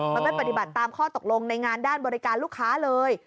มันไม่ปฏิบัติตามข้อตกลงในงานด้านบริการลูกค้าเลย